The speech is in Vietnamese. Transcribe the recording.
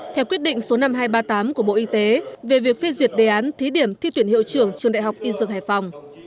theo quyết định số năm nghìn hai trăm ba mươi tám của bộ y tế về việc phê duyệt đề án thí điểm thi tuyển hiệu trưởng trường đại học y dược hải phòng